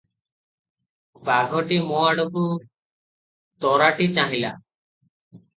ବାଘଟି ମୋ ଆଡ଼କୁ ତରାଟି ଚାହିଁଲା ।